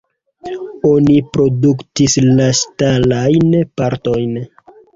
Oni produktis la ŝtalajn partojn.